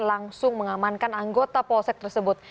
langsung mengamankan anggota polsek tersebut